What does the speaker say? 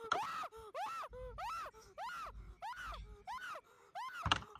Llegó a participar en la Defensa de Madrid.